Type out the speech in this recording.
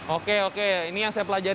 oke oke ini yang saya pelajari